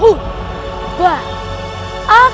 tunggu selama sekolah